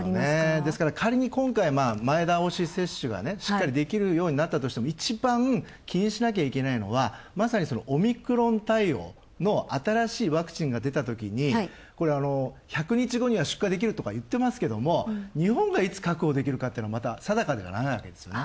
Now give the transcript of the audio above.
ですから、仮に今回、前倒し接種がしっかりできるようになったとしても一番、気にしなきゃいけないのは、まさにオミクロン対応の新しいワクチンが出たときに１００日後には出荷できると言ってますけれども日本がいつ確保できるかというのはまだ定かじゃないわけですよね。